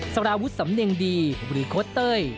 สารวุฒิสำเนียงดีหรือโค้ดเต้ย